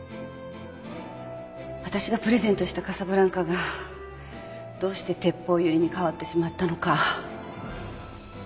わたしがプレゼントしたカサブランカがどうしてテッポウユリに変わってしまったのか。